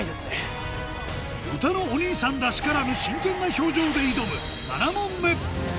歌のお兄さんらしからぬ真剣な表情で挑む